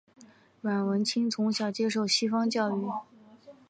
阮文清从小接受西方教育。